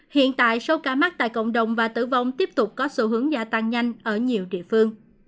hiện tại số ca mắc tại cộng đồng và tử vong tiếp tục có xu hướng gia tăng nhanh ở nhiều địa phương